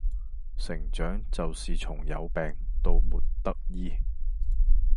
成長就是從有病到沒得醫。